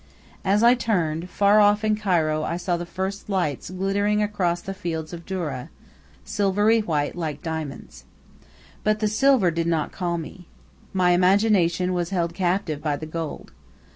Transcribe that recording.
As I turned, far off in Cairo I saw the first lights glittering across the fields of doura, silvery white, like diamonds. But the silver did not call me. My imagination was held captive by the gold.